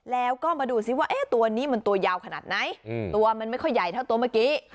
แล้วก็มาดูซิว่าตัวนี้มันตัวยาวขนาดไหนตัวมันไม่ค่อยใหญ่เท่าตัวเมื่อกี้